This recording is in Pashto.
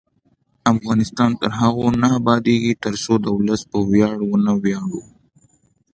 افغانستان تر هغو نه ابادیږي، ترڅو د ولس په ویاړ ونه ویاړو.